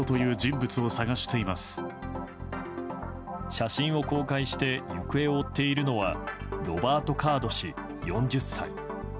写真を公開して行方を追っているのはロバート・カード氏、４０歳。